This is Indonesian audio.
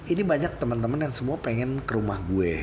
ini banyak teman teman yang semua pengen ke rumah gue